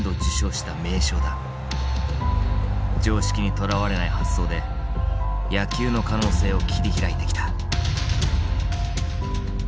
常識にとらわれない発想で野球の可能性を切り開いてきた。